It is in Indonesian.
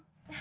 gak usah mil